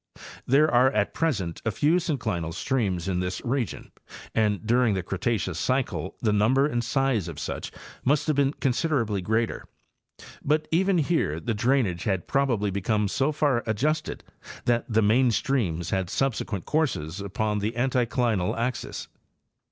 There are at present a few synclinal streams in this region and during the Cretaceous cycle the num ber and size of such must have been considerably greater; but even here the drainage had probably become so far adjusted that the main streams had subsequent courses upon the anti clinal axes.